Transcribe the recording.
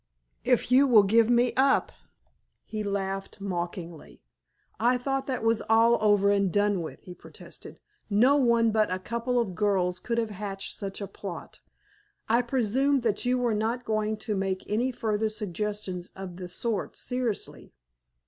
"If you will give me up." He laughed mockingly. "I thought that was all over and done with," he protested. "No one but a couple of girls could have hatched such a plot. I presumed you were not going to make any further suggestions of the sort seriously?"